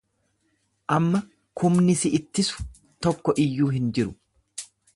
Amma kumni si ittiisu tokko iyyuu hin jiru.